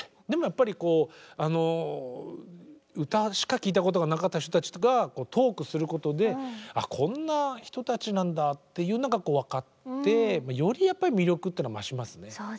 でもやっぱりこう歌しか聴いたことがなかった人たちがトークすることであこんな人たちなんだというのが分かってよりやっぱり魅力っていうのは増しますね。